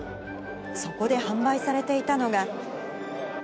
そこで販売されていたのが。